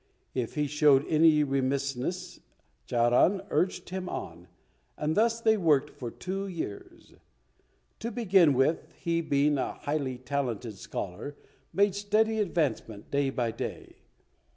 If he showed any remissness, Charan urged him on, and thus they worked for two years. To begin with, he, being a highly talented scholar, made steady advancement day by day.